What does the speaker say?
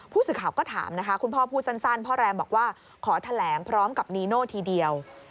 ผู้สื่อข่าวก็ถามนะคะคุณพ่อพูดสั้นพ่อแรมบอกว่าขอแถลงพร้อมกับนีโน่ทีเดียว